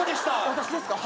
私ですか？